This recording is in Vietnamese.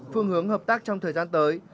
về hợp tác trong thời gian tới